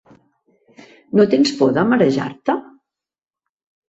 ¿No tens por, de marejar-te?